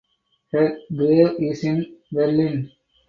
Her grave is in Berlin.